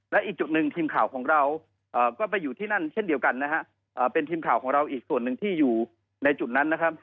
และอีกจุดหนึ่งทีมข่าวของเราก็ไปอยู่ที่นั่นเช่นเดียวกันนะฮะเป็นทีมข่าวของเราอีกส่วนหนึ่งที่อยู่ในจุดนั้นนะครับ